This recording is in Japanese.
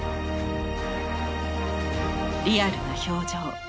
リアルな表情。